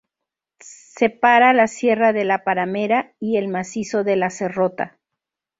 Separa la sierra de la Paramera y el macizo de La Serrota.